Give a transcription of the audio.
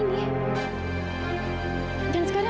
dan sekarang aku lagi bisa pergi ke juraja